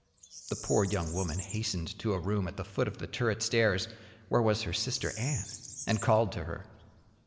The poor young woman hastened to a room at the foot of the turret stairs where was her Sister Anne, and called to her.